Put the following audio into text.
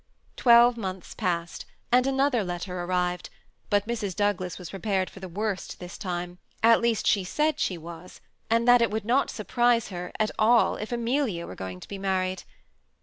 Twelve months passed, and another letter arrived ; but Mrs. Douglas was pre pared for the worst this time, at least she said she was ; and that it would not surprise her at all if Amelia were going to be married.